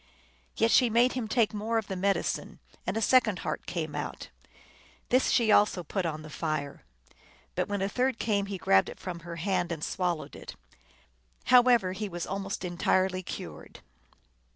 Yet she made him take more of the medicine, and a second heart came out. This she also put on the fire. But when a third came he grabbed it from her hand, and swallowed it. How ever, he was almost entirely cured.